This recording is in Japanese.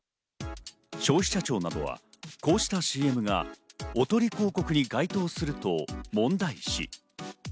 消費者庁などは、こうしたＣＭがおとり広告に該当すると問題視。